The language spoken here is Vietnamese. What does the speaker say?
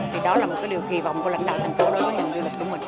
thì đó là một điều kỳ vọng của lãnh đạo thành phố đối với nhà hàng du lịch của mình